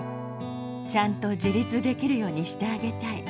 ちゃんと自立できるようにしてあげたい。